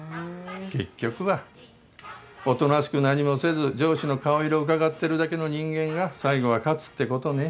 結局はおとなしく何もせず上司の顔色をうかがってるだけの人間が最後は勝つって事ね。